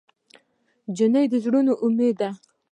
نجلۍ د زړونو امید ده.